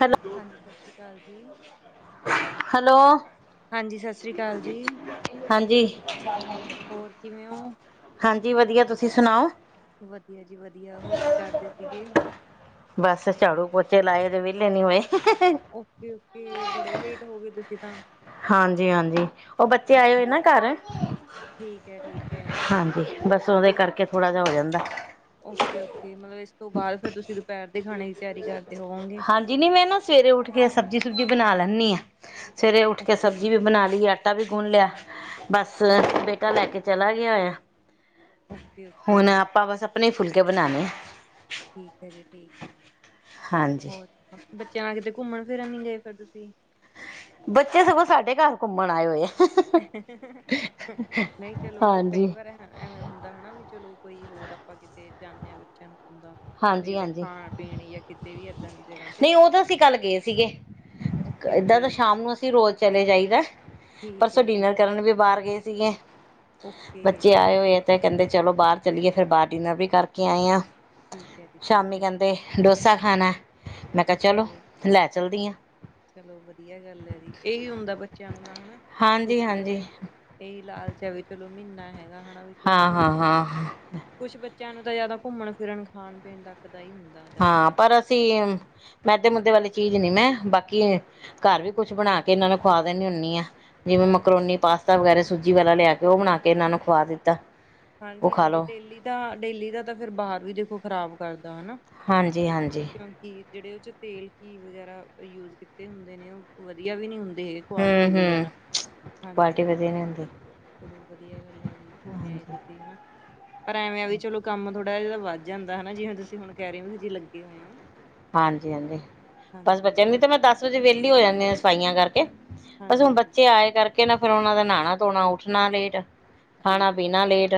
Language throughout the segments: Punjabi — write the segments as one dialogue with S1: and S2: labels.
S1: ਹੈਲੋ।
S2: ਹਾਂਜੀ ਸਤਿ ਸ਼੍ਰੀ ਅਕਾਲ ਜੀ।
S1: ਹੈਲੋ
S2: ਹਾਂਜੀ ਸਤਿ ਸ੍ਰੀ ਅਕਾਲ ਜੀ।
S1: ਹਾਂਜੀ
S2: ਹੋਰ ਕਿਵੇਂ ਹੋ?
S1: ਹਾਂਜੀ ਵਧੀਆ। ਤੁਸੀਂ ਸੁਣਾਓ।
S2: ਵਧੀਆ ਜੀ ਵਧੀਆ ਹੋਰ ਕੀ ਕਰਦੇ ਸੀਗੇ?
S1: ਬਸ ਝਾੜੂ ਪੋਚੇ ਲਾਏ ਦੇ ਵਿਹਲੇ ਨੀ ਹੋਏ।
S2: ਓਕੇ- ਓਕੇ ਬੜੇ ਲੇਟ ਹੋ ਗਏ ਤੁਸੀਂ ਤਾਂ
S1: ਹਾਂਜੀ- ਹਾਂਜੀ ਉ ਬੱਚੇ ਆਏ ਹੋਏ ਨਾ ਘਰ।
S2: ਠੀਕ ਹੈ ਠੀਕ ਹੈ।
S1: ਹਾਂਜੀ ਬਸ ਉਹਦੇ
S2: ਫਿਰ
S1: ਕਰਕੇ ਥੋੜਾ ਜਾ ਹੋ ਜਾਂਦਾ।
S2: ਓਕੇ- ਓਕੇ ਮਤਲਬ ਇਸ ਤੋਂ ਬਾਅਦ ਫਰ ਤੁਸੀਂ ਦੁਪਹਿਰ ਦੇ ਖਾਣੇ ਦੀ ਤਿਆਰੀ ਕਰਦੇ ਹੋਵੋਗੇ।
S1: ਜੀ ਨ ਮੈਂ ਨਾ ਸਵੇਰੇ ਉੱਠ ਕੇ ਸਬਜ਼ੀ ਸੁਬਜ਼ੀ ਬਣਾ ਲੈਂਨੀ ਆ ਸਵੇਰੇ ਉੱਠ ਕੇ
S2: ਓਕੇ
S1: ਸਬਜ਼ੀ ਵੀ ਬਣਾ ਲਈਏ। ਆਟਾ ਵੀ ਗੁੰਣ ਲਿਆ ਬਸ
S2: ਠੀਕ
S1: ਸਵੇ
S2: ਹੈ
S1: ਬੇਟਾ ਲੈ ਕੇ ਚਲਾ ਗਿਆ ਹੋਆ।
S2: ਓਕੇ
S1: ਹੁਣ
S2: ਓਕੇ
S1: ਆਪਾਂ ਬਸ ਆਪਣੇ ਈ ਫੁਲਕੇ ਬਣਾਣੇ ਐ।
S2: ਠੀਕ ਹੈ ਜੀ ਠੀਕ ਹੈ
S1: ਹਾਂਜੀ
S2: ਹੋਰ ਬੱਚਿਆਂ ਨਾਲ ਕਿਤੇ ਘੁੰਮਣ ਫਿਰਨ ਨੀ ਗਏ ਫੇਰ ਤੁਸੀਂ?
S1: ਬੱਚੇ ਸਗੋਂ ਸਾਡੇ ਘਰ ਘੁੰਮਣ ਆਏ ਹੋਏ ਐ।
S2: ਨਹੀਂ ਚਲੋ ਕਈ
S1: ਹਾਂਜੀ
S2: ਵਾਰ ਐਵੇਂ ਹੁੰਦਾ ਹਨਾ ਵੀ ਚਲੋ ਕੋਈ ਹੋਰ ਆਪਾਂ ਕਿਤੇ ਜਾਂਨੇ ਆ ਬੱਚਿਆਂ ਨੂੰ ਹੁੰਦਾ। ਵੀ
S1: ਹਾਂਜੀ
S2: ਕਿਤੇ
S1: ਹਾਂਜੀ
S2: ਖਾਣ ਪੀਣ ਜਾਂ ਕਿਤੇ ਵੀ ਇਏਦਾਂ ਦੀ ਜਗਾ ਤੇ।
S1: ਨਹੀਂ ਉਹ ਤਾਂ ਅਸੀਂ ਕੱਲ ਗਏ ਸੀਗੇ
S2: ਓਕੇ
S1: ਏਦਾਂ
S2: ਓਕੇ
S1: ਤਾਂ ਸ਼ਾਮ ਨੂੰ ਅਸੀ ਰੋਜ਼ ਚਲੇ ਜਾਈਦਾ
S2: ਠੀਕ
S1: ਪਰਸੋ
S2: ਹੈ ਠੀਕ
S1: ਡਿਨਰ ਕਰਨ ਵੀ ਬਾਹਰ ਗਏ ਸੀਗੇ।
S2: ਓਕੇ
S1: ਬੱਚੇ ਆਏ ਹੋਏ ਆ ਤੇ ਕਹਿੰਦੇ ਚਲੋ ਬਾਹਰ ਚਲੀਏ ਫੇਰ ਬਾਹਰ ਡਿਨਰ ਵੀ ਕਰਕੇ ਆਏ ਆਂ।
S2: ਠੀਕ ਹੈ ਜੀ ਠੀਕ
S1: ਸ਼ਾਮੀ
S2: ਹੈ
S1: ਕਹਿੰਦੇ ਡੋਸਾ ਖਾਨਾ ਐ ਮੈਂ ਕਿਹਾ
S2: ਅੱਛਾ
S1: ਚਲੋ
S2: ਜੀ
S1: ਲੈ ਚਲਦੀ। ਹਾਂ
S2: ਚਲੋ ਵਧੀਆ ਗੱਲ ਐ ਜੀ, ਇਹੀ ਹੁੰਦਾ ਬੱਚਿਆਂ ਨੂੰ ਤਾਂ ਹਾ
S1: ਹਾਂਜੀ
S2: ਛੁੱਟੀਆਂ
S1: ਹਾਂਜੀ
S2: ਦੇ ਇਹੀ ਲਾਲਚਾ ਵੀ ਚਲੋ ਮਹੀਨਾ ਹੈਗਾ ਹਨਾ ਵੀ
S1: ਹਾਂ
S2: ਚਲੋ
S1: ਹਾਂ ਹਾਂ
S2: ਕੁਛ ਬੱਚਿਆਂ ਨੂੰ ਤਾਂ ਜ਼ਿਆਦਾ ਘੁੰਮਣ- ਫਿਰਨ ਖਾਣ- ਪੀਣ ਤੱਕ ਦਾ ਹੀ ਹੁੰਦਾ। ਜ਼ਿਆਦਾ
S1: ਹਾਂ
S2: ਤਾਂ
S1: ਪਰ ਅਸੀਂ ਮੈਦੇ ਮੁੱਦੇ ਵਾਲੀ ਚੀਜ਼ ਨੀ ਮੈਂ ਬਾਕੀ ਘਰ ਵੀ ਕੁਛ ਬਣਾ ਕੇ ਇਹਨਾਂ ਨੂੰ ਖਵਾ ਦੇਨੀ ਹੁੰਨੀ ਆ। ਜਿਵੇਂ ਮਕਰੋਨੀ, ਪਾਸਤਾ ਵਗੈਰਾ ਸੂਜੀ ਵਾਲਾ ਲਿਆ ਕੇ ਉ ਬਣਾ ਕੇ ਇਹਨਾਂ ਨੂੰ ਖਵਾ ਦਿੱਤਾ। ਉਹ
S2: ਹਾਂਜੀ-
S1: ਖਾ
S2: ਹਾਂਜੀ
S1: ਲਓ
S2: ਡੇਲੀ ਦਾ- ਡੇਲੀ ਦਾ ਤਾਂ ਫੇਰ ਬਾਹਰ ਵੀ ਦੇਖੋ ਖ਼ਰਾਬ ਕਰਦਾ ਹਨਾ।
S1: ਹਾਂਜੀ- ਹਾਂਜੀ।
S2: ਕਿਉਂਕਿ, ਜਿਹੜੇ ਉਹ ਤੇਲ, ਘੀ ਵਗੈਰਾ ਯੂਜ ਕੀਤੇ ਹੁੰਦੇ ਨੇ ਉਹ ਵਧੀਆ ਵੀ ਨਹੀਂ ਹੁੰਦੇ ਹੈਗੇ ਕੁਆਲਿਟੀ
S1: ਹੂੰ-ਹੂੰ
S2: ਵਗੈਰਾ। ਹਾਂਜੀ-
S1: ਕੁਆਲਿਟੀ ਵਧੀਆ
S2: ਹਾਂਜੀ।
S1: ਨੀ ਹੁੰਦੀ।
S2: ਚਲੋ ਵਧੀਆ ਗੱਲ ਹੈ ਜੀ ਘੁੰਮਿਆ ਏਧਰ ਦੀ ਹਨਾ। ਪਰ ਐਵੇਂ ਆ ਵੀ ਚਲੋ ਕੰਮ ਥੋੜਾ ਜਿਹਾ ਵੱਧ ਜਾਂਦਾ ਜਿਵੇ ਤੁਸੀਂ ਹੁਣ ਕਹਿ ਰਹੇ ਹੋ ਵੀ ਜੇ ਲੱਗੇ ਹੋਏ ਹੋ।
S1: ਹਾਂਜੀ- ਹਾਂਜੀ, ਬਸ
S2: ਹਾਂਜੀ,
S1: ਬੱਚਿਆਂਦੀ ਤੇ ਮੈਂ ਦਸ ਵਜੇ ਵਿਹਲੀ ਹੋ ਜਾਂਦੀ ਹਾਂ ਸਫਾਈਆਂ ਕਰਕੇ। ਬਸ ਹੁਣ
S2: ਹਾਂਜੀ-ਹਾਂਜੀ
S1: ਬੱਚੇ ਆਏ ਕਰਕੇ ਨਾ ਫੇਰ ਉਹਨਾਂ ਦਾ ਨਹਾਣਾ- ਧੋਣਾ ਉੱਠਣਾ ਲੇਟ। ਖਾਣਾ
S2: ਬਿਲਕੁਲ।
S1: ਪੀਣਾ ਲੇਟ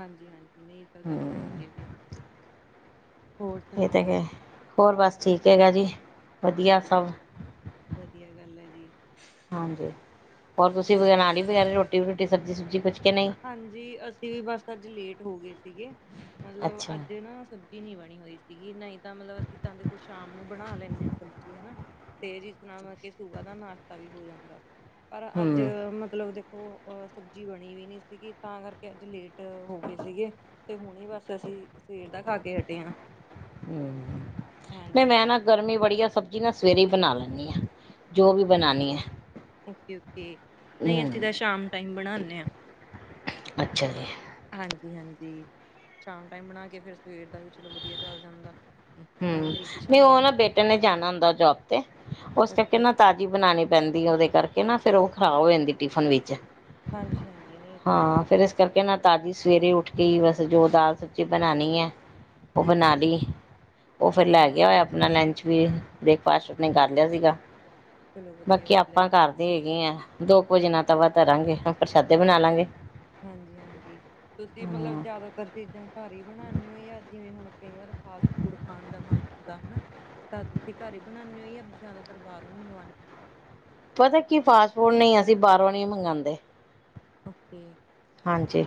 S2: ਹਾਂਜੀ- ਹਾਂਜੀ ਨਹੀਂ ਇਹ ਤਾਂ ਗੱਲ
S1: ਹੂੰ
S2: ਹੈ ਜੀ। ਹੋਰ
S1: ਇਹ ਤਾਂ ਕ।
S2: ਸੁਣਾਓ
S1: ਹੋਰ ਬਸ ਠੀਕ ਹੈਗਾ ਜੀ। ਵਧੀਆ
S2: ਚਲੋ
S1: ਸਭ।
S2: ਵਧੀਆ ਗੱਲ ਹੈ ਜੀ
S1: ਹਾਂਜੀ। ਹੋਰ ਤੁਸੀਂ ਨਾਲੀ ਵਗੈਰਾ ਰੋਟੀ- ਰੂਟੀ ਸਬਜ਼ੀ -ਸੁਬਜ਼ੀ ਕੁਛ। ਕੇ ਨਹੀਂ
S2: ਹਾਂਜੀ। ਅਸੀਂ ਵੀ ਬਸ ਅੱਜ ਲੇਟ ਹੋ ਗਏ ਸੀਗੇ। ਮਤਲਬ
S1: ਅੱਛਾ
S2: ਅੱਜ ਨਾ ਸਬਜ਼ੀ ਨੀ ਬਣੀ ਹੋਈ ਸੀਗੀ ਨਹੀਂ ਤਾਂ ਮਤਲਬ ਅਸੀਂ ਤਾਂ ਦੇਖੋ ਸ਼ਾਮ ਨੂੰ ਬਣਾ ਲੈਂਦੇ ਹਾਂ ਸਬਜ਼ੀ ਹਨਾ। ਤੇ ਜਿਸ ਤਰ੍ਹਾਂ ਮਤਲਬ ਕਿ ਸੂਬ ਦਾ ਨਾਸ਼ਤਾ ਵੀ ਹੋ ਜਾਂਦਾ, ਪਰ ਅੱਜ
S1: ਹੂੰ-ਹੂੰ
S2: ਮਤਲਬ ਦੇ ਉਹ ਸਬਜ਼ੀ ਬਣੀ ਵੀ ਨਹੀਂ ਸੀਗੀ ਤਾਂ ਕਰਕੇ ਅੱਜ ਲੇਟ ਹੋ ਗਏ ਸੀਗੇ। ਤੇ ਹੁਣ ਬਸ ਅਸੀਂ, ਸਵੇਰ ਦਾ ਖਾ ਕੇ ਹਟੇ ਹਾਂ।
S1: ਤੇ
S2: ਹਾਂਜੀ
S1: ਮੈਂ ਨਾ ਗਰਮੀ ਬੜੀਆ ਸਭ ਜੈਂ ਸਵੇਰੇ ਬਣਾ ਲੈਂਦੀ ਹਾਂ, ਜੋ ਵੀ ਬਣਾਉਣੀ ਹੈ।
S2: ਓਕੇ- ਓਕੇ ਨਹੀਂ ਅਸੀਂ
S1: ਹੂੰ
S2: ਤਾਂ ਸ਼ਾਮ ਟਾਈਮ ਬਣਾਉਂਦੇ ਹਾਂ।
S1: ਅੱਛਾ ਜੀ।
S2: ਹਾਂਜੀ- ਹਾਂਜੀ। ਸ਼ਾਮ ਟਾਈਮ ਬਣਾ ਕੇ ਫਿਰ ਸਵੇਰ ਦਾ ਵੀ ਚਲੋ ਵਧੀਆ ਚੱਲ ਜਾਂਦਾ।
S1: ਹੂ,
S2: ਡੇਲੀ
S1: ਨਹੀਂ
S2: ਸ਼ਾਮ
S1: ਉਹ ਨਾ
S2: ਨੂੰ
S1: ਬੇਟੇ ਨੇ ਜਾਣਾ ਹੁੰਦਾ ਜੋਬ ਤੇ। ਉਸ ਕਰਕੇ
S2: ਓਕੇ
S1: ਨਾ ਤਾਜ਼ੀ ਬਣਾਉਣੀ ਪੈਂਦੀ ਉਹਦੇ ਕਰਕੇ ਨਾ ਫੇਰ ਉਹ ਖਰਾਬ ਹੋ ਜਾਂਦੀ ਟਿਫਨ ਵਿੱਚ।
S2: ਹਾਂਜੀ- ਹਾਂਜੀ, ਨਹੀਂ। ਇਹ ਤਾਂ ਗੱਲ
S1: ਹਾਂ। ਫੇਰ ਇਸ ਕਰਕੇ ਨਾ ਤਾਜ਼ੀ ਸਵੇਰੇ ਉੱਠ ਕੇ ਹੀ ਬਸ ਜੋ ਦਾਲ- ਸਬਜ਼ੀ ਬਣਾਉਣੀ ਹੈ। ਉਹ
S2: ਠੀਕ
S1: ਬਣਾ
S2: ਹੈ
S1: ਲਈ ਉਹ ਫਿਰ ਲੈ
S2: ਹਾਂਜੀ
S1: ਗਿਆ ਹੋਇਆ ਆਪਣਾ ਲੰਚ ਵੀ। ਬ੍ਰੇਕਫਾਸਟ ਕਰ ਲਿਆ ਸੀਗਾ।
S2: ਚਲੋ ਵਧੀਆ
S1: ਬਾਕੀ
S2: ਗੱਲ ਹੈ
S1: ਆਪਾਂ ਘਰ। ਗੇ ਆ ਦੋ ਕੁਝਣਾ ਤਾਂ ਤਵਾ ਧਰਾਂਗੇ ਹੁ ਪ੍ਰਸ਼ਾਦੇ ਬਣਾ ਲਾਂਗੇ।
S2: ਹਾਂਜੀ- ਹਾਂਜੀ ਤੁਸੀਂ ਮਤਲਬ
S1: ਹੂੰ,
S2: ਜ਼ਿਆਦਾਤਰ ਚੀਜ਼ਾਂ ਘਰ ਹੀ ਬਣਾਉਂਦੇ ਹੋ ਜਾਂ ਜਿਵੇਂ ਹੁਣ ਕਈ ਵਾਰ ਫਾਸਟ ਫੂਡ ਖਾਣ ਦਾ ਮਨ ਹੁੰਦਾ ਹਨਾ। ਤਾਂ ਤੁਸੀਂ ਘਰ ਹੀ ਬਣਾਉਂਦੇ ਹੋ ਜਾਂ ਜ਼ਿਆਦਾਤਰ ਬਾਹਰੋਂ ਹੀ ਮੰਗਵਾਉਂਦੇ ਹੋ।
S1: ਪਤਾ ਕੀ ਫਾਸਟ ਫੂਡ ਨਹੀਂ ਅਸੀਂ ਬਾਹਰੋਂ ਨੀ ਮੰਗਵਾਉਂਦੇ।
S2: ਓਕੇ।
S1: ਹਾਂਜੀ।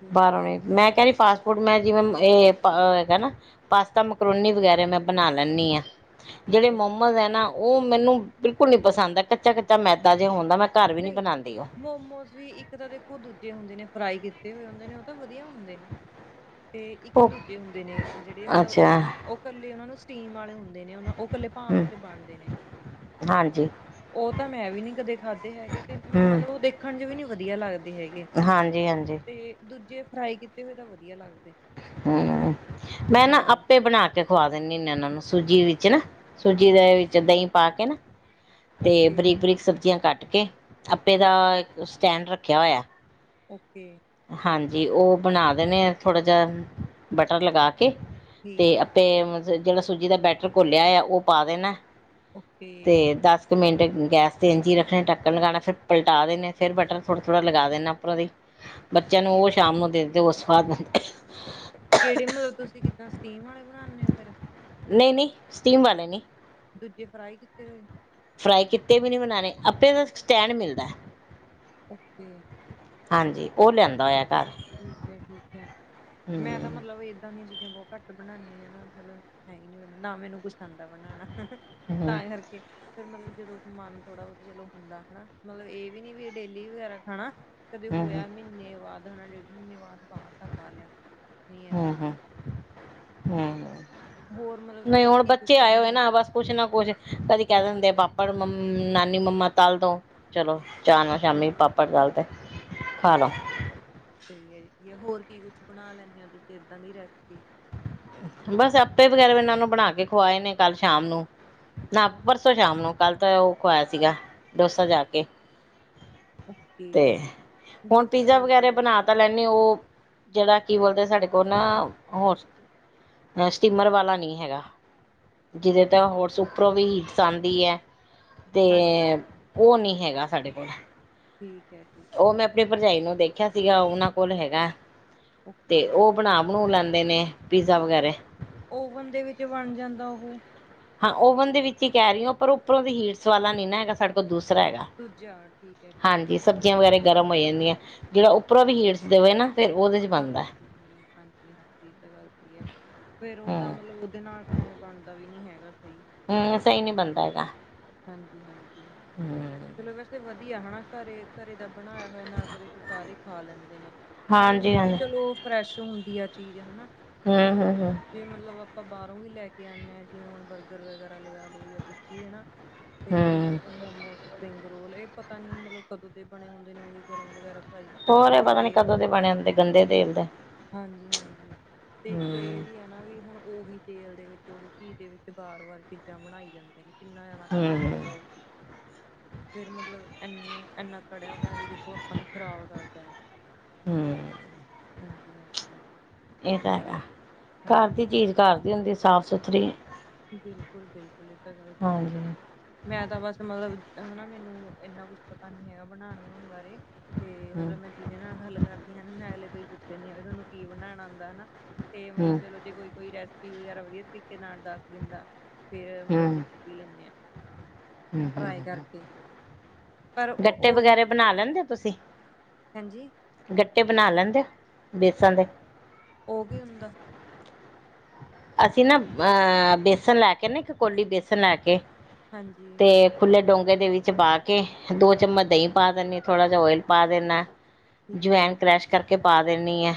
S2: ਠੀਕ ਹੈ
S1: ਬਾਹਰੋਂ ਨਹੀਂ, ਮੈਂ ਕਹਿ ਰਹੀ ਫਾਸਟ ਫੂਡ ਮੈਂ ਜਿਵੇਂ ਇਹ ਹੈਗਾ ਨਾ। ਪਾਸਤਾ, ਮਕਰੂਨੀ ਵਗੈਰਾ ਮੈਂ ਬਣਾ ਲੈਂਨਿ ਹਾਂ। ਜਿਹੜੇ ਮੋਮੋਜ਼ ਹੈ ਨਾ ਉਹ ਮੈਨੂੰ ਬਿਲਕੁਲ ਨੀ ਪਸੰਦ ਹੈ ਕੱਚਾ- ਕੱਚਾ ਮੈਦਾ ਜੇ ਹੁੰਦਾ ਮੈਂ ਘਰ ਵੀ ਨੀ
S2: ਨਹੀਂ,
S1: ਬਣਾਉਂਦੀ ਉਹ
S2: ਮੋਮੋਸ ਵੀ ਇੱਕ ਤਾਂ ਦੇਖੋ ਦੂਜੇ ਹੁੰਦੇ ਨੇ ਫਰਾਈ ਕੀਤੇ ਹੋਏ ਹੁੰਦੇ ਨੇ ਉਹ ਤਾਂ ਵਧੀਆ ਹੁੰਦੇ ਨੇ। ਤੇ ਇੱਕ-
S1: ਉਹ
S2: ਦੂਜੇ ਹੁੰਦੇ ਨੇ ਜਿਹੜੇ ਮਤਲਬ ਉਹ,
S1: ਅੱਛਾ
S2: ਉਹ ਇਕੱਲੇ ਉਹਨਾ ਨੂੰ ਸਟੀਮ ਵਾਲੇ ਹੁੰਦੇ। ਨੇ ਉਹ- ਉਹ ਇਕੱਲੇ ਭਾਂਪ
S1: ਹਮ
S2: ਕੇ ਬਣਦੇ ਨੇ
S1: ਹਾਂਜੀ
S2: ਉਹ ਤਾਂ ਮੈਂ ਵੀ ਨੀ ਕਦੇ ਖਾਧੀ। ਹੈਗੇ ਤੇ ਮੈਨੂੰ
S1: ਹਮ
S2: ਮਤਲਬ ਉਹ ਦੇਖਣ ਚ' ਵੀ ਨੀ ਵਧੀਆ ਲੱਗਦੇ ਹੈਗੇ।
S1: ਹਾਂਜੀ ਹਾਂਜੀ
S2: ਤੇ ਦੂਜੇ ਫਰਾਈ ਕੀਤੇ ਹੋਏ ਤਾਂ ਵਧੀਆ ਲੱਗਦੇ।
S1: ਹੂ, ਮੈਂ ਨਾ
S2: ਹਾਂਜੀ
S1: ਆਪੇ ਬਣਾ ਕੇ ਖਵਾ ਦਿੰਦੇ ਹੁੰਦੇ ਉਹਨਾਂ ਨੂੰ ਸੂਜੀ ਵਿੱਚ ਨਾ, ਸੂਜੀ ਦੇ ਵਿੱਚ ਦਹੀਂ ਪਾ ਕੇ ਨਾ ਤੇ
S2: ਓਕੇ
S1: ਬਰੀਕ-ਬਰੀਕ ਸਬਜ਼ੀਆਂ ਕੱਟ ਕੇ ਆਪੇ ਦਾ
S2: ਠੀਕ
S1: ਸਟੈਂਡ ਰੱਖਿਆ ਹੋਇਆ।
S2: ਓਕੇ।
S1: ਹਾਂਜੀ ਓ ਬਣਾ ਦੇਣੇ ਆ ਥੋੜ੍ਹਾ ਜਿਆ ਬਟਰ ਲਗਾ ਕੇ।
S2: ਠੀਕ
S1: ਤੇ
S2: ਹੈ
S1: ਆਪੇ
S2: ਠੀਕ ਹੈ
S1: ਮਤਬ ਜੇੜਾ ਸੂਜੀ ਦਾ ਬੈਟਰ ਘੋਲਿਆ ਓਇਆ ਓ ਪਾ ਦੇਣਾ।
S2: ਓਕੇ
S1: ਤੇ ਦਸ। ਇੱਕ ਮਿੰਟ ਗੈਸ ਤੇ ਇੰਜੀ ਈ ਰੱਖਣੇ, ਟੱਕਣ ਲਗਾਣਾ ਫੇਰ ਪਲਟਾ ਦੇਣੇ। ਫੇਰ ਬਟਰ ਥੋੜ੍ਹਾ ਥੋ੍ੜਾ ਲਗਾ ਦੇਣਾ ਉਪਰੋਂ ਦੀ। ਬੱਚਿਆਂ ਨੂੰ ਓ ਸ਼ਾਮ ਨੂੰ ਦਿੰਦੇ ਓ ਸਵਾਦ ਬਣਦੇ।
S2: ਕੇੜੇ ਮਤਲਬ ਤੁਸੀਂ ਕਿੱਦਾਂ ਸਟੀਮ ਅਲੇ ਬਣਾਣੇ ਓ ਫੇਰ।
S1: ਨਈ ਨਈ ਸਟੀਮ ਵਾਲੇ ਨੀ।
S2: ਦੂਜੇ ਫਰਾਈ ਕੀਤੇ ਹੋਏ।
S1: ਫਰਾਈ ਕੀਤੇ ਵੀ ਨੀ ਬਨਾਣੇ ਅੱਪੇ ਦਾ ਸਟੈਂਡ ਮਿਲਦਾ।
S2: ਓਕੇ।
S1: ਹਾਂਜੀ ਓ ਲਿਆਂਦਾ ਹੋਇਆ ਘਰ।
S2: ਠੀਕ ਐ- ਠੀਕ ਐ ਮੈਂ ਤਾਂ
S1: ਹੂੰ
S2: ਮਤਲਬ ਏਦਾਂ ਦੀਆਂ ਚੀਜ਼ਾਂ ਬੋ ਘੱਟ ਬਣਾਣੀ ਆ ਨਾ ਮਲਬ ਹੈਈ ਨੀ ਮੈਨੂੰ, ਨਾ ਮੈਨੂੰ ਕੁਛ ਆਂਦਾ ਬਣਾਣਾ
S1: ਹੂੰ
S2: ਤਾਂ ਕਰਕੇ। ਫੇਰ ਮਤਲਬ ਜਦੋਂ ਮਨ ਥੋੜਾ ਬੋਤ ਚਲੋ ਹੁੰਦਾ ਹਨਾ, ਮਲਬ ਏ ਵੀ ਨੀ ਵੀ ਡੇਲੀ ਵਗੈਰਾ ਖਾਣਾ। ਕਦੇ
S1: ਹੂੰ
S2: ਹੋਇਆ ਮੀਨੇ ਬਾਅਦ ਹਨਾ, ਡੇਢ ਮੀਨੇ ਬਾਦ ਬਾਰ ਦਾ ਖਾ ਲਿਆ। ਨਹੀਂ
S1: ਹੂੰ
S2: ਏਦਾਂ ਨੀ
S1: ਹੂੰ, ਹੂੰ
S2: ਹੋਰ ਮਤਲਬ
S1: ਨਈ
S2: ਤੁਸੀਂ
S1: ਹੁਣ
S2: ਕੀ
S1: ਬੱਚੇ
S2: ਕੁਛ
S1: ਆਏ ਹੋਏ
S2: ਬਣਾ
S1: ਨਾ ਬਸ। ਕੁਛ ਨਾ ਕੁਛ ਕਦੀ ਕੈ ਦਿੰਦੇ ਪਾਪੜ ਮੰ ਨਾਨੀ ਮੰਮਾ ਤਲ ਦੋ। ਚਲੋ ਚਾਅ‌ ਨਾਲ ਸ਼ਾਮੀ ਪਾਪੜ ਤਲ ਤੇ, ਖਾ ਲੋ।
S2: ਸ‌ਈ ਐ ਜੀ ਜ ਹੋਰ ਕੀ ਕੁਛ ਬਣਾ ਲੈਂਣੇ ਓ ਤੁਸੀਂ ਏਦਾਂ ਦੀ ਰੈਸਪੀ?
S1: ਬਸ ਅੱਪੇ ਵਗੈਰਾ ਏਨਾਂ ਨੂੰ ਬਣਾ ਕੇ ਖਵਾਏ ਨੇ, ਕੱਲ ਸ਼ਾਮ ਨੂੰ। ਨਾ ਪਰਸੋਂ ਸ਼ਾਮ ਨੂੰ, ਕੱਲ੍ਹ ਤਾਂ ਓ ਖਵਾਇਆ ਸੀਗਾ ਡੋਸਾ ਜਾ ਕੇ। ਤੇ,
S2: ਓਕੇ
S1: ਹੁਣ
S2: ਡੋਸਾ
S1: ਪੀਜ਼ਾ
S2: ਵੀ ਵਧੀਆ
S1: ਵਗੈਰਾ
S2: ਲੱਗਦਾ
S1: ਬਣਾ ਪਤਾ ਲੈਂਦੇ ਓ ਜੇੜਾ ਕੀ ਬੋਲਦੇ ਸਾਡੇ ਕੋਲ ਨਾ ਹੋਰ ਸਟੀਮਰ ਵਾਲਾ ਨੀ ਹੈਗਾ, ਜੀਦੇ ਤਾਂ ਹੋਰਸ ਉੱਪਰੋਂ ਵੀ ਹੀਟਸ ਆਂਦੀ ਐ। ਤੇ,
S2: ਹਾਂਜੀ
S1: ਓ ਨੀ ਹੈਗਾ ਸਾਡੇ ਕੋਲ।
S2: ਠੀਕ ਐ।
S1: ਓ ਮੈਂ ਆਪਣੀ ਭਰਜਾਈ ਨੂੰ ਦੇਖਿਆ ਸੀਗਾ, ਓਨਾਂ ਕੋਲ ਹੈਗਾ ਤੇ
S2: ਓਕੇ
S1: ਓ ਬਣਾ ਬਣ‌ਊ ਲੈਂਦੇ ਨੇ, ਪੀਜ਼ਾ ਵਗੈਰੇ।
S2: ਓਵਨ ਦੇ ਵਿੱਚ ਬਣ ਜਾਂਦਾ ਉਹ।
S1: ਹਾਂ ਓਵਨ ਦੇ ਵਿੱਚ ਈ ਕੈ ਰੀ ਆਂ, ਪਰ ਉੱਪਰੋਂ ਦੀ ਹੀਟਸ ਵਾਲਾ ਨੀ ਨਾ ਹੈਗਾ ਸਾਡੇ ਕੋਲ ਦੂਸਰਾ ਹੈਗਾ।
S2: ਦੂਜਾ ਠੀਕ ਐ, ਠੀਕ ਐ।
S1: ਹਾਂਜੀ ਸਬਜ਼ੀਆਂ ਵਗੈਰਾ ਗਰਮ ਹੋ ਜਾਂਦੀਆਂ, ਜੜਾ ਉੱਪਰੋਂ ਵੀ ਹੀਟਸ ਦਵੇ ਨਾ ਫੇਰ ਓਦੇ 'ਚ ਬਣਦਾ।
S2: [unintelligible] ਫੇਰ ਓਦਾਂ
S1: ਹਮ
S2: ਮਤਲਬ ਓਦੇ ਨਾਲ ਤੇ ਐਵੇਂ ਬਣਦਾ ਵੀ ਨੀ ਹੈਗਾ ਸ‌ਈ।
S1: ਹਾਂ ਸ‌ਈ ਨੀ ਬਣਦਾ ਹੈਗਾ।
S2: ਹਾਂਜੀ ਹਾਂਜੀ।
S1: ਹੂੰਅ
S2: ਵੈਸੇ ਵਧੀਆ ਹਨਾ, ਘਰੇ ਘਰੇ ਦਾ ਬਣਾਇਆ ਹੋਇਆ ਨਾ ਕਦੇ ਸਾਰੇ ਖਾ ਲੈਂਦੇ ਨੇ। ਨਾਲੇ
S1: ਹਾਂਜੀ
S2: ਉਂਜ ਵੀ
S1: ਹਾਂਜੀ
S2: ਚਲੋ ਫਰੈਸ਼ ਹੁੰਦੀ ਆ ਚੀਜ਼ ਹਨਾ। ਹੁਣ
S1: ਹਮ ਹਮ ਹਮ
S2: ਜੇ ਮਲਬ ਆਪਾਂ ਬਾਰੋਂ ਵੀ ਲੈ ਕੇ ਆਨੇ ਆਂ, ਜਿਵੇਂ ਹੁਣ ਬਰਗਰ ਵਗੈਰਾ ਲਗਾ ਲੋ ਜਾਂ ਕੁਛ ਵੀ ਹਨਾ। ਤੇ
S1: ਹਮ
S2: ਮੋਮੋਸ, ਸਪਿੰਗ ਰੋਲ, ਏ ਪਤਾ ਨੀ ਮਲਬ ਕਦੋਂ ਦੇ ਬਣੇ ਹੁੰਦੇ ਨੇ, ਓਹੀ ਗਰਮ ਵਗੈਰਾ। ਪਰ ਰਖ
S1: ਹੋਰ ਇਹ
S2: ਕੇ
S1: ਪਤਾ ਨੀ
S2: ਫੇਰ
S1: ਕਦੋਂ ਦੇ ਬਣੇ ਹੁੰਦੇ ਗੰਦੇ ਤੇਲ ਦੇ
S2: ਹਾਂਜੀ, ਹਾਂਜੀ। ਠੀਕ ਐ
S1: ਹਮ
S2: ਵੀ ਆ। ਹਨਾ ਵੀ ਹੁਣ ਓਹੀ ਤੇਲ ਦੇ ਵਿੱਚ ਓਹੀ ਘੀ ਦੇ ਵਿੱਚ, ਵਾਰ ਵਾਰ ਚੀਜ਼ਾਂ ਬਣਾਈ ਜਾਂਦੀਆਂ ਨੇ ਕਿੰਨਾ। ਤਾਡੇ ਤੇ
S1: ਹਮ
S2: ਪਾਓ, ਫਿਰ ਮਤਲਬ ਐਨੀ, ਐਨਾ ਪੜੇਆ ਹੋਏਆ ਵੀ ਦੇਖੋ ਅਪਾਂ ਨੂੰ ਖ਼ਰਾਬ ਕਰਦੈ,
S1: ਹਮ
S2: ਹਾਂਜੀ-ਹਾਂਜੀ।
S1: ਏ ਤਾ ਹੈਗਾ, ਘਾਰ
S2: ਹਾਂਜੀ
S1: ਦੀ ਚੀਜ ਘਾਰ ਦੀ ਹੁੰਦੀ ਸਾਫ-ਸੁਥਰੀ।
S2: ਬਿਲਕੁਲ-ਬਿਲਕੁਲ ਏ ਤਾ ਗੱਲ ਸਈ ਐ।
S1: ਹੂੰ
S2: ਮੈਂ ਤਾਂ ਬਾੱਸ ਮਲਬ, ਹਨਾ ਮੈਨੂੰ ਏਨਾ ਕੁੱਛ ਪਤਾ ਨੀ ਹੈਗਾ ਬਣਾਨ-ਬਨੂਨ ਬਾਰੇ ਤੇ ਮਤਲਬ ਮੈਂ ਜਿਦੇ ਨਾਲ ਗਾੱਲ ਕਰਦੀ ਆਂ ਨਾ, ਮੈਂ ਅਗਲੇ ਤੋਂ ਈ ਪੁੱਛ ਦੇਨੀ ਆਂ, ਵੀ ਤਾਨੂੰ ਕੀ ਬਨਾਣਾ ਆਂਦੈ, ਹਨਾ। ਤੇ ਮਤਲਬ
S1: ਹੂੰ
S2: ਚਲੋ ਜੇ ਕੋਈ-ਕੋਈ ਰੈਸਪੀ ਵਗੈਰਾ ਵਦੀਆ ਤਰੀਕੇ ਨਾਲ ਦਾੱਸ ਦਿੰਦਾ, ਫੇਰ ਮਤਲਬ ਦੇ
S1: ਹੂੰ
S2: ਲੈਂਨੇ ਆ,
S1: ਹੂੰ
S2: ਟਰਾਈ
S1: ਹੂੰ
S2: ਕਰਕੇ। ਪਰ ਓ
S1: ਗੱਟੇ
S2: ਓਹੀ
S1: ਵਗੈਰਾ
S2: ਹੈ ਨਾ
S1: ਬਣਾ ਲੈਂਦੇ
S2: ਮਤਲਬ,
S1: ਹੋ ਤੁਸੀਂ
S2: ਹਾਂਜੀ।
S1: ਗੱਟੇ ਬਨਾ ਲੈਂਦੇ ਓ, ਬੇਸਨ ਦੇ?
S2: ਓ ਕੀ ਹੁੰਦਾ?
S1: ਅਸੀ ਨਾ, ਅ ਬੇਸਨ ਲੈ ਕੇ ਨਾ ਇੱਕ ਕੋਲੀ ਬੇਸਨ ਲੈ ਕੇ,
S2: ਹਾਂਜੀ
S1: ਤੇ ਖੁੱਲੇ ਡੋਂਗੇ ਦੇ ਵਿੱਚ ਪਾ ਕੇ, ਦੋ ਚਮੱਚ ਦਹੀਂ ਪਾ ਦੇਨੀ ਥੋੜਾ ਜਾ ਓਏਲ ਪਾ ਦੇਨੈ
S2: ਠੀਕ ਹੈ
S1: ਜਵੈਨ ਕਰੈਸ਼ ਕਰਕੇ ਪਾ ਦੇਨੀ ਏ,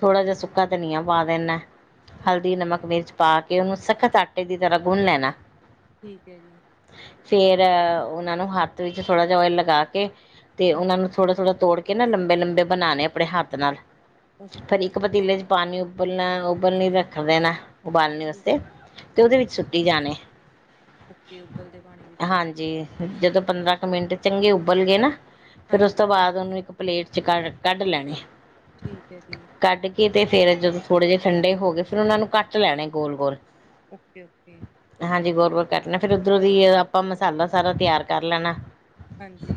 S1: ਥੋੜਾ ਜਾ ਸੁੱਕਾ ਧਨੀਆ ਪਾ ਦੇਨੈ।
S2: ਠੀਕ
S1: ਹਲਦੀ,
S2: ਹੈ
S1: ਨਮਕ,
S2: ਜੀ
S1: ਮਿਰਚ ਪਾ ਕੇ ਓਨੂੰ ਸਖਤ ਆਟੇ ਦੀ ਤਰਾ ਗੁੰਨ ਲੈਨੈ।
S2: ਠੀਕ ਏ ਜੀ।
S1: ਫੇਰ ਓਨਾਂ ਨੂੰ ਹਾੱਤ ਵਿੱਚ ਥੋੜਾ ਜਾ ਓਏਲ ਲਗਾ ਕੇ, ਤੇ
S2: ਹਾਂਜੀ
S1: ਓਨਾਂ ਨੂੰ ਥੋੜਾ-ਥੋੜਾ ਤੋੜ ਕੇ ਨਾ, ਲੰਬੇ-ਲੰਬੇ ਬਨਾਨੇ ਅਪਨੇ ਹਾੱਤ ਨਾਲ, ਫਿਰ
S2: ਓਕੇ
S1: ਇੱਕ ਪਤੀਲੇ ਚ ਪਾਨੀ ਉੱਬਲਨੈ-ਉਬਲਨੇ ਰੱਖ ਦੇਨੈ, ਉਬਾਲਨੇ
S2: ਠੀਕ
S1: ਵਸਤੇ,
S2: ਹੈ
S1: ਤੇ ਓਦੇ
S2: ਠੀਕ
S1: ਵਿੱਚ
S2: ਹੈ
S1: ਸੁੱਟੀ ਜਾਨੇ।
S2: ਓਕੇ ਉਬਲਦੇ ਪਾਣੀ ਵਿੱਚ।
S1: ਹਾਂਜੀ ਜਦੋਂ
S2: ਹਾਂਜੀ
S1: ਪੰਦਰਾਂ ਕ ਮਿੰਟ ਚੰਗੇ ਉਬਲ ਗਏ ਨਾ, ਫੇਰ ਉਸ
S2: ਹਾਂਜੀ
S1: ਤੋਂ ਬਾਦ ਉਨੂੰ ਇੱਕ ਪਲੇਟ ਚ ਕਾ ਕੱਡ ਲੈਣੇ।
S2: ਠੀਕ ਏ ਜੀ।
S1: ਕਾੱਡ ਕੇ ਤੇ ਫੇਰ ਜਦੋ ਥੋੜੇ ਜੇ ਠੰਡੇ ਹੋਗੇ ਫੇਰ ਓਨਾ ਨੂੰ ਕਾੱਟ ਲੈਣੇ ਗੋਲ-ਗੋਲ।
S2: Okay, okay.
S1: ਹਾਂਜੀ, ਗੋਲ-ਗੋਲ ਕੱਟਨੈ, ਫੇਰ ਉਦਰੋਂ ਦੀ ਆਪਾਂ ਮਸਾਲਾ ਸਾਰਾ ਤੇਆਰ ਕਾਰ ਲੈਨੈ।
S2: ਹਾਂਜੀ।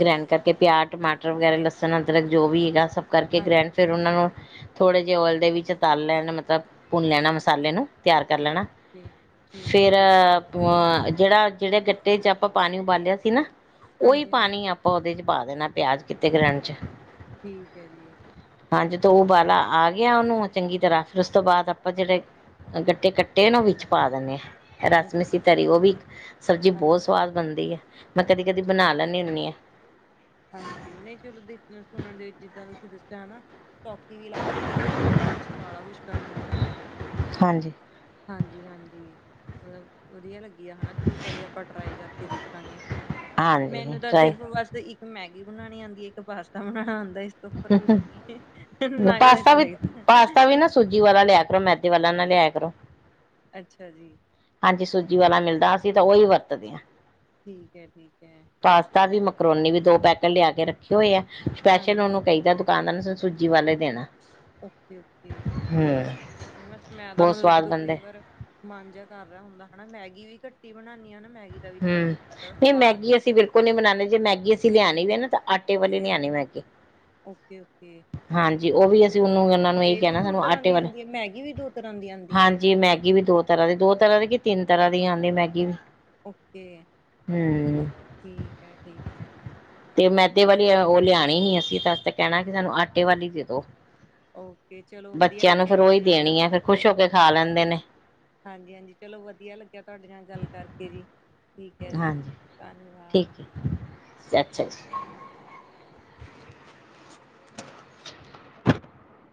S1: ਗ੍ਰੈਂਡ ਕਰਕੇ ਪੇਆਜ, ਟਮਾਟਰ ਵਗੈਰਾ ਲਸਨ, ਅੰਦਰਕ ਜੋ ਵੀ ਹੈਗਾ ਸਬ ਕਰਕੇ ਗ੍ਰੈਡ,
S2: ਹਾਂਜੀ
S1: ਫੇਰ ਓਨਾਂ ਨੂੰ ਥੋੜੇ ਜੇ ਓਏਲ ਦੇ ਵਿੱਚ ਤਲ ਲੈਣ ਮਤਲਬ ਭੁੰਨ ਲੈਣਾ ਮਸਾਲੇ ਨੂੰ, ਤੇਆਰ ਕਰ ਲੈਣਾ
S2: ਓਕੇ ਠੀਕ ਹੈ
S1: ਫੇਰ
S2: ਜੀ
S1: ਅ ਜੇੜਾ, ਜੇੜੇ ਗੱਟੇ ਚ ਆਪਾਂ ਪਾਨੀ ਉਬਾਲੇਆ ਸੀ ਨਾ, ਓਈ
S2: ਹਾਂਜੀ ਹਾਂਜੀ
S1: ਪਾਨੀ ਆਪ ਓਦੇ ਚ ਪਾ ਦੇਨੈ, ਪੇਆਜ ਕਿੱਤੇ ਗ੍ਰੈਂਡ ਚ।
S2: ਠੀਕ ਏ ਜੀ।
S1: ਹਾਂਜੀ ਤੋ ਉਬਾਲਾ ਆ ਗੇਆ ਓਨੂੰ ਚੰਗੀ ਤਰਾਂ ਫੇਰ ਉਸ ਤੋ ਬਾਦ ਆਪਾਂ ਜੇੜੇ ਗੱਟੇ ਕੱਟੇ ਨਾ, ਓ ਵਿੱਚ ਪਾ ਦੇਨੈ। ਰਸ ਮਿੱਸੀ
S2: ਓਕੇ
S1: ਤਰੀ, ਓ ਵੀ ਸਬਜ਼ੀ ਬੋਤ
S2: ਹਾਂਜੀ
S1: ਸਵਾਦ ਬਨਦੀ ਏ, ਮੈਂ ਕਦੀ-ਕਦੀ
S2: ਜੀ,
S1: ਬਨਾ ਲੈਨ ਨੀ ਹੁੰਨੀ ਆਂ।
S2: ਹਾਂਜੀ, ਨਹੀਂ ਚਲੋ ਦੇਖ ਸੁਣਨ ਡੀ ਚੀਜਾਂ ਤੂਸੀ ਦੱਸੇਆ ਨਾ ਸੌਖੀ ਵੀ ਲਾੱਗ ਰੀ ਐ, ਐਂਵੈ ਲਾੱਗ ਰੇਐ ਵੀ ਕੁੱਛ ਪਾੜਾ ਕੁੱਛ ਕਰਨੈ, ਹਨਾ।
S1: ਹਾਂਜੀ।
S2: ਹਾਂਜੀ-ਹਾਂਜੀ ਮਤਲਬ ਵਦੀਆ ਲੱਗ ਈ ਆ ਹਨਾ, ਚਲੋ ਕਦੇ ਆਪਾਂ ਟਰਾਈ ਕਾਰਕੇ ਦੇਖਾਂਗੇ,
S1: ਹਾਂਜੀ
S2: ਮੈਨੂੰ ਤਾਂ
S1: ਟਰਾਈ
S2: ਸਿਰਫ ਬਾੱਸ ਇੱਕ ਮੈਗੀ ਬਨਾਣੀ ਆਂਦੀ, ਇੱਕ ਪਾਸਤਾ ਬਨਾਣਾ ਆਂਦੈ ਇਸ ਉੱਪਰ ਕੁੱਛ ਨੀ, ਤੇ ਨਾ ਕਦੇ ਟਰਾਈ ਕੀਤੈ।
S1: ਜੀ ਵਾਲਾ ਲੇਆਏਆ ਕਰੋ, ਮੈਦੇ ਵਾਲਾ ਨਾਲ ਲੇਆਏਆ ਕਰੋ।
S2: ਅੱਛਾ ਜੀ
S1: ਹਾਂਜੀ ਸੂਜੀ ਵਾਲਾ ਮਿਲਦਾ ਅਸੀਂ ਤੇ ਉਹੀ ਵਰਤਦੇ ਹਾਂ
S2: ਠੀਕ ਹੈ ਠੀਕ ਹੈ
S1: ਪਾਸਤਾ ਵੀ ਮਕਰੋਨੀ ਵੀ ਦੋ ਪੈਕੇਟ ਲਿਆ ਕੇ ਰੱਖੇ ਹੋਏ ਆ ਸਪੈਸ਼ਲ
S2: ਹਾਂਜੀ ਹਾਂਜੀ
S1: ਉਹਨੂੰ ਕਹੀਦਾ ਤੂੰ ਕਾਨਨ ਸ ਸੂਜੀ ਵਾਲਾ ਦੇਣਾ
S2: ਓਕੇ ਓਕੇ
S1: ਹੂੰ
S2: ਜਿਵੇਂ ਮੈਂ ਤਾਂ
S1: ਬਹੁਤ
S2: ਮਤਲਬ
S1: ਸਵਾਦ
S2: ਜਦੋਂ ਕਈ
S1: ਬਣਦੇ।
S2: ਵਾਰ ਮਨ ਜਾ ਕਰ ਰਿਹਾ ਹੁੰਦਾ ਹੈਨਾ ਮੈਗੀ ਵੀ ਘੱਟ ਈ ਬਣਾਉਂਦੀ ਆ ਨਾ ਮੈਗੀ ਦਾ ਵੀ
S1: ਹੂੰ
S2: ਇਨਾ ਦਿਲ ਕਰ
S1: ਨਹੀਂ ਮੈਗੀ ਅਸੀਂ ਬਿਲਕੁਲ ਨਹੀਂ ਬਨਾਉਂਦੇ ਜੇ ਮੈਗੀ ਅਸੀਂ ਲਿਆਉਣੀ
S2: ਹਾਂਜੀ
S1: ਵੀ ਨਾ ਤਾਂ ਆਟੇ ਵਾਲੀ ਲਿਆਉਣੀ ਮੈਗੀ
S2: ਓਕੇ- ਓਕੇ
S1: ਹਾਂਜੀ ਉਹ ਵੀ ਅਸੀਂ ਉਹਨੂੰ ਇਹਨਾਂ ਉਹਨੂੰ ਇਹੀ
S2: ਇਹ ਵੀ
S1: ਕਹਿਣਾ
S2: ਦੋ
S1: ਸਾਨੂੰ
S2: ਤਰ੍ਹਾਂ
S1: ਆਟੇ
S2: ਦੀ
S1: ਵਾਲੀ,
S2: ਆਉਂਦੀ ਹੈ ਮੈਗੀ ਵੀ ਦੋ ਤਰ੍ਹਾਂ ਦੀ ਆਉਂਦੀ ਆ
S1: ਹਾਂਜੀ ਮੈਗੀ ਵੀ ਦੋ ਤਰ੍ਹਾਂ ਦੋ ਤਰ੍ਹਾਂ ਦੀ ਕਿ ਤਿੰਨ ਤਰ੍ਹਾਂ ਦੀ ਆਂਦੀ ਮੈਗੀ
S2: ਓਕੇ
S1: ਹਮ
S2: ਠੀਕ ਹੈ ਠੀਕ ਹੈ
S1: ਤੇ ਮੈਦੇ ਵਾਲੀ ਉਹ ਲਿਆਉਣੀ ਹੀ ਅਸੀਂ ਤਾਂ ਕਹਿਣਾ ਕਿ ਸਾਨੂੰ ਆਟੇ ਵਾਲੀ ਦੇ ਦੋ
S2: ਓਕੇ ਚਲੋ ਵਧੀਆ
S1: ਬੱਚਿਆਂ ਨੂੰ
S2: ਲੱਗਿਆ ਜੀ
S1: ਫਿਰ
S2: ਤੁਹਾਡੇ
S1: ਉਹੀ
S2: ਨਾਲ ਗੱਲ
S1: ਦੇਣੀ ਹੈ, ਫਿਰ
S2: ਕਰਕੇ
S1: ਖੁਸ਼ ਹੋ ਕੇ ਖਾ ਲੈਂਦੇ ਨੇ
S2: ਹਾਂਜੀ- ਹਾਂਜੀ ਚਲੋ ਵਧੀਆ ਲੱਗਿਆ ਤਾਡੇ ਨਾਲ ਗੱਲ ਕਰਕੇ ਜੀ ਠੀਕ ਹੈ ਜੀ
S1: ਹਾਂਜੀ
S2: ਧੰਨਵਾਦ
S1: ਠੀਕ ਹੈ ਅੱਛਾ ਜੀ [inaudible]